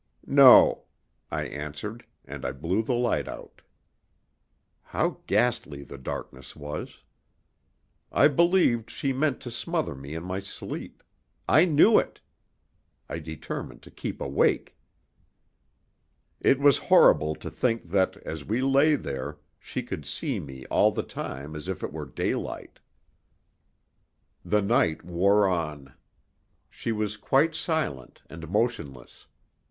"No," I answered; and I blew the light out. How ghastly the darkness was! I believed she meant to smother me in my sleep. I knew it. I determined to keep awake. It was horrible to think that, as we lay there, she could see me all the time as if it were daylight. The night wore on. She was quite silent and motionless.